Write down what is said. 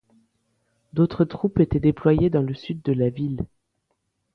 D'autres troupes étaient déployées dans le sud de la ville.